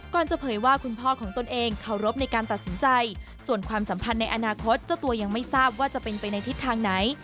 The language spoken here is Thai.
จะเผยว่าคุณพ่อของตนเองเคารพในการตัดสินใจส่วนความสัมพันธ์ในอนาคตเจ้าตัวยังไม่ทราบว่าจะเป็นไปในทิศทางไหน